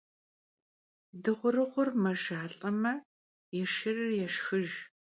Dığurığuur mejjeş'alh'eme, yi şşırır yêşşxıjj.